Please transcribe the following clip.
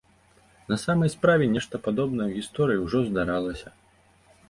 На самай справе, нешта падобнае ў гісторыі ўжо здаралася.